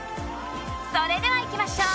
それでは、いきましょう。